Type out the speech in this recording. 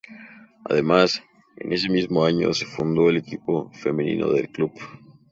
Además, en ese mismo año se fundó el equipo femenino del club.